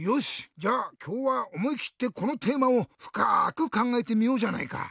じゃあきょうはおもいきってこのテーマをふかくかんがえてみようじゃないか。